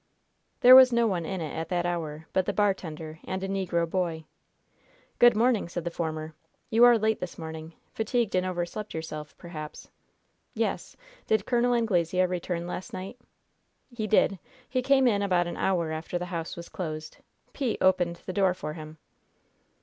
There was no one in it at that hour but the bartender and a negro boy. "Good morning," said the former. "You are late this morning. Fatigued and overslept yourself, perhaps." "Yes. Did Col. Anglesea return last night?" "He did. He came in about an hour after the house was closed. Pete opened the door for him."